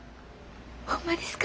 ホンマですか？